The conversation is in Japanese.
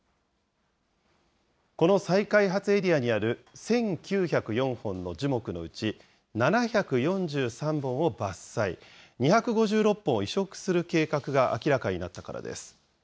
この再開発エリアにある１９０４本の樹木のうち、７４３本を伐採、２５６本を移植する計画が明らかになったからです。